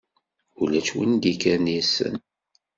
Ulac win i d-yekkren yessen.